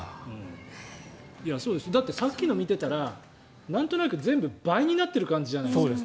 だってさっきの見てたらなんとなく全部、倍になってる感じじゃないですか。